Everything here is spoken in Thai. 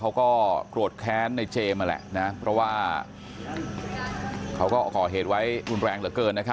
เขาก็โกรธแค้นในเจมส์นั่นแหละนะเพราะว่าเขาก็ก่อเหตุไว้รุนแรงเหลือเกิน